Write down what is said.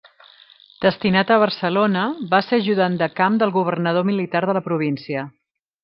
Destinat a Barcelona, va ser ajudant de camp del governador militar de la província.